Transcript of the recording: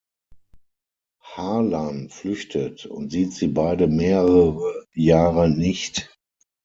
Harlan flüchtet, und sieht sie beide mehrere Jahre nicht.